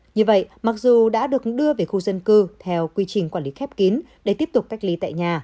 như vậy mặc dù đã được đưa về khu dân cư theo quy trình quản lý khép kín để tiếp tục cách ly tại nhà